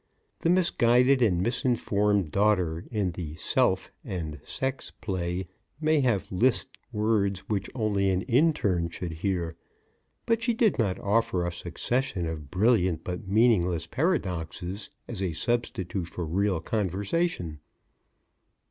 The misguided and misinformed daughter in the Self and Sex Play may have lisped words which only an interne should hear, but she did not offer a succession of brilliant but meaningless paradoxes as a substitute for real conversation.